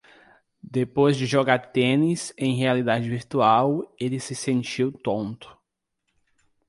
Depois de jogar tênis em realidade virtual, ele se sentiu tonto.